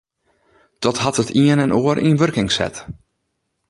Dat hat it ien en oar yn wurking set.